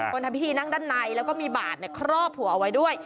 ทำพิธีนั่งด้านในแล้วก็มีบาดครอบหัวเอาไว้ด้วย